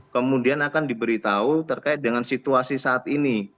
kemudian akan diberitahu terkait dengan situasi saat ini